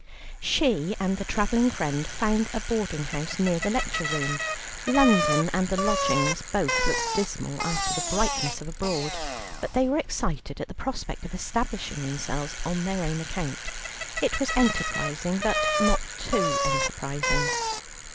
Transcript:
She and the travelling friend found a boarding house near the lecture room. London and the lodgings both looked dismal after the brightness of abroad, but they were excited at the prospect of establishing themselves on their own account. It was enterprising, but not too enterprising.